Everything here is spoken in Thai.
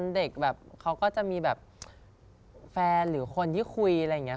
เด็กแบบเค้าก็จะมีแฟนหรือคนที่คุยอะไรเงี้ย